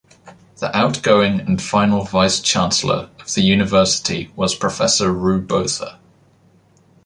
The outgoing and final vice chancellor of the University was Professor Roux Botha.